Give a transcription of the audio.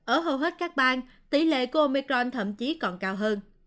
ở hầu hết các bang tỷ lệ của omicron thậm chí còn cao hơn